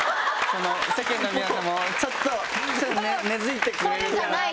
世間の皆さんもちょっと根付いてくれるかなとは。